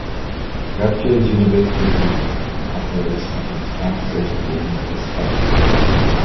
Rutgers University Police Department operates on its campuses within Piscataway.